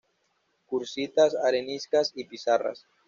Cuarcitas, areniscas y pizarras.